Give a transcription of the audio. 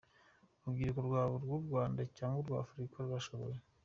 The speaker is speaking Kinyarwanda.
Urubyiruko rwaba urw’u Rwanda cg urwa Africa rurashoboye.”